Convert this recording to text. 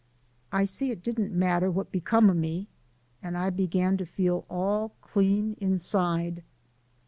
"I see it didn't matter what become o' me, and I began to feel all clean inside."